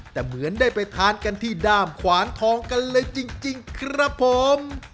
แต่เหมือนได้ไปทานกันที่ด้ามขวานทองกันเลยจริงครับผม